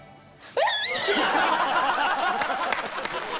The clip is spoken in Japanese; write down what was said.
えっ！